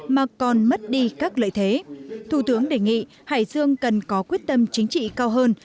mà còn mất đi các lợi thế thủ tướng đề nghị hải dương cần có quyết tâm chính trị cao hơn